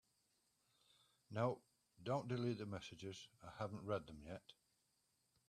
No, don’t delete the messages, I haven’t read them yet.